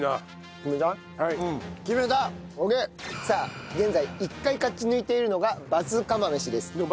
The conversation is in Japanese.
さあ現在１回勝ち抜いているのが罰釜飯です。